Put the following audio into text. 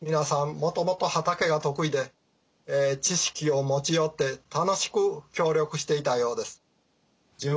もともと畑が得意で知識を持ち寄って楽しく協力していたようです。